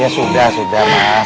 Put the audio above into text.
ya sudah sudah mas